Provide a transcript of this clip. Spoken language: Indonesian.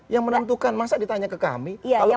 yang menentukan masa ditanya ke kami